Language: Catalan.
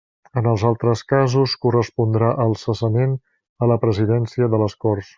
En els altres casos, correspondrà el cessament a la Presidència de les Corts.